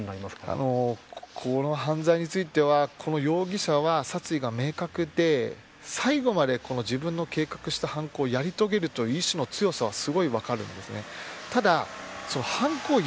このことの意図というのはこの犯罪については容疑者は殺意が明確で最後まで、自分の計画した犯行をやり遂げるという意志の強さはすごい分かるんですね。